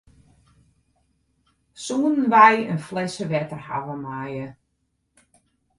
Soenen wy in flesse wetter hawwe meie?